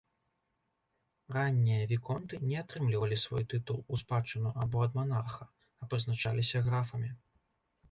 Раннія віконты не атрымлівалі свой тытул у спадчыну або ад манарха, а прызначаліся графамі.